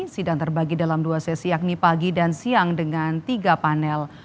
sidang terbagi dalam dua sesi yakni pagi dan siang dengan tiga panel